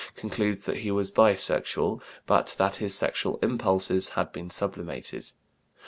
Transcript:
ix, 1908), concludes that he was bisexual but that his sexual impulses had been sublimated.